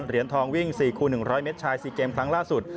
เหรียญทองวิ่ง๔คูณ๑๐๐เมตรชาย๔เกมครั้งล่าสุด